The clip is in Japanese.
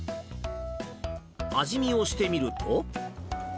味見をしてみると。